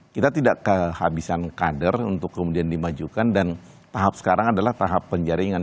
kita tidak kehabisan kader untuk kemudian dimajukan dan tahap sekarang adalah tahap penjaringan